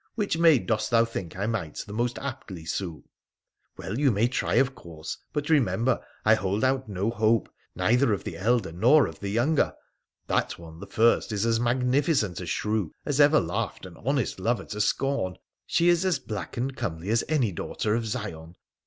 Which maid dost thou think I might the most aptly sue ?'' Well, you may try, of course, but remember I hold out no 144 WONDERFUL ADVENTURES OP hope, neither of the elder nor the younger. That one, the iirst, is as magnificent a shrew as ever laughed an honest lover to scorn. She is as black and comely as any daughter of Zion.